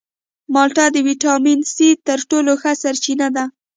مالټه د ویټامین سي تر ټولو ښه سرچینه ده.